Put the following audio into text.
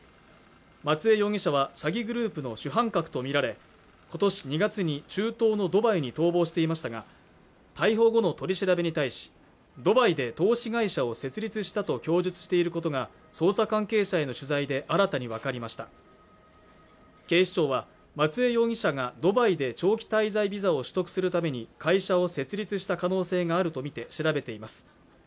松江容疑者は詐欺グループの主犯格とみられ今年２月に中東のドバイに逃亡していましたが逮捕後の取り調べに対しドバイで投資会社を設立したと供述していることが捜査関係者への取材で新たに分かりました警視庁は松江容疑者がドバイで長期滞在ビザを取得するために会社を設立した可能性があるとみて調べています